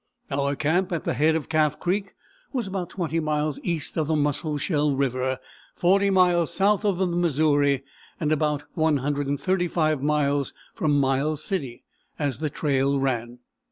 Our camp at the head of Calf Creek was about 20 miles east of the Musselshell River, 40 miles south of the Missouri, and about 135 miles from Miles City, as the trail ran.